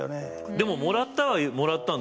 でももらったはもらったんでしょう？